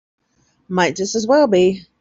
Might just as well be.